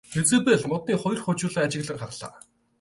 Изабель модны хоёр хожуулаа ажиглан харлаа.